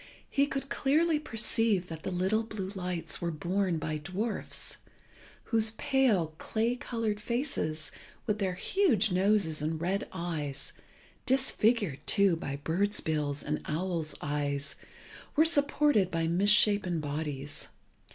He could clearly perceive that the little blue lights were borne by dwarfs, whose pale clay coloured faces, with their huge noses and red eyes, disfigured, too, by birds' bills and owls' eyes, were supported by misshapen bodies.